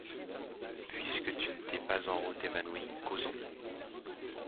Puisque tu ne t’es pas en route évanoui, Causons.